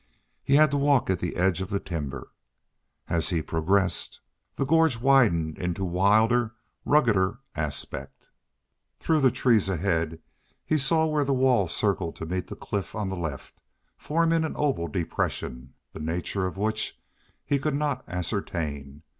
He had to walk at the edge of the timber. As he progressed, the gorge widened into wilder, ruggeder aspect. Through the trees ahead he saw where the wall circled to meet the cliff on the left, forming an oval depression, the nature of which he could not ascertain.